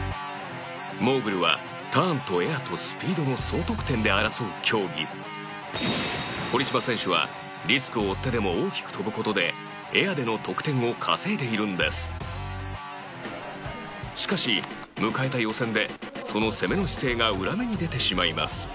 モーグルはターンとエアとスピードの総得点で争う競技堀島選手はリスクを負ってでも大きく飛ぶ事でエアでの得点を稼いでいるんですしかし、迎えた予選でその攻めの姿勢が裏目に出てしまいます